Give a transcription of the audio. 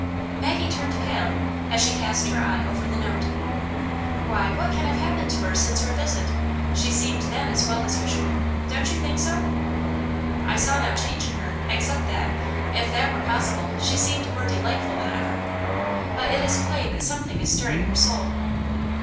Maggie turned pale, as she cast her eye over the note. "Why, what can have happened to her since our visit ? She seemed then as well as usual, don't you think so ?"" I saw no change in her except that, if that were possible, she seemed more delightful than ever. But it is plain that something is stirring her soul."